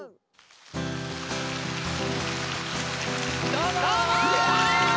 どうも！